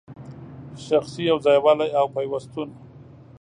شخصي یو ځای والی او پیوستون